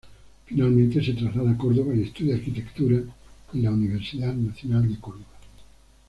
Finalmente se traslada a Córdoba y estudia Arquitectura en la Universidad Nacional de Córdoba.